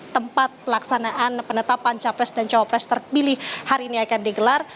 tempat pelaksanaan penetapan capres dan cawapres terpilih hari ini akan digelar